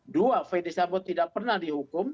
dua fede sambo tidak pernah dihukum